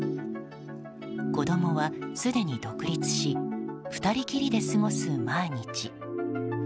子供はすでに独立し２人きりで過ごす毎日。